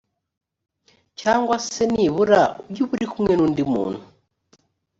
cyangwa se nibura ujye uba uri kumwe n undi muntu